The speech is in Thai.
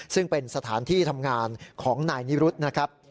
ซึ่งเป็นสถานที่ทำงานของนายนิรุธนะครับ